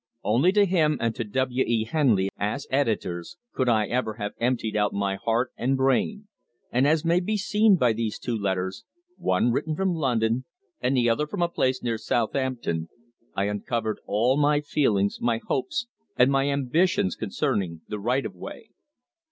Only to him and to W. E. Henley, as editors, could I ever have emptied out my heart and brain; and, as may be seen by these two letters, one written from London and the other from a place near Southampton, I uncovered all my feelings, my hopes and my ambitions concerning The Right of Way.